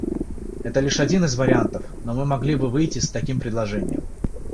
Это лишь один из вариантов, но мы могли бы выйти с таким предложением.